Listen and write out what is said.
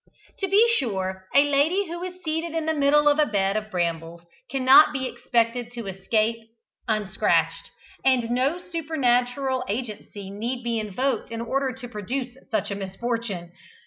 To be sure, a lady who is seated in the middle of a bed of brambles cannot be expected to escape unscratched, and no supernatural agency need be invoked in order to produce such a misfortune.